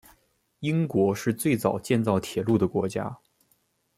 英国是最早建造铁路的国家。